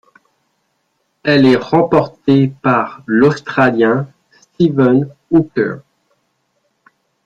Elle est remportée par l'Australien Steven Hooker.